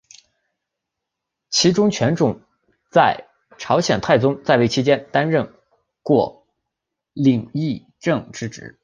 其中权仲和在朝鲜太宗在位期间担任过领议政之职。